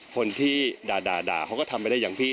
คนที่ด่าเขาก็ทำไม่ได้อย่างพี่